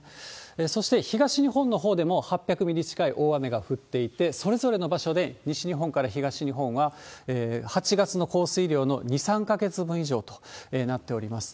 そして、東日本のほうでも８００ミリ近い大雨が降っていて、それぞれの場所で西日本から東日本は、８月の降水量の２、３か月分以上となっています。